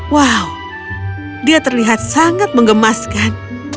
wow dia terlihat sangat mengemaskan